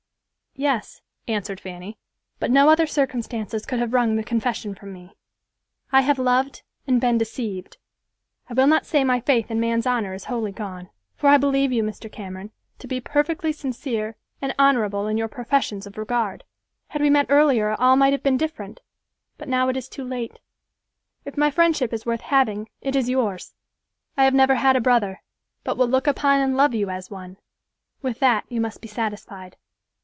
"Yes," answered Fanny, "but no other circumstances could have wrung the confession from me. I have loved and been deceived. I will not say my faith in man's honor is wholly gone, for I believe you, Mr. Cameron, to be perfectly sincere and honorable in your professions of regard. Had we met earlier all might have been different, but now it is too late. If my friendship is worth having, it is yours. I have never had a brother, but will look upon and love you as one; with that, you must be satisfied."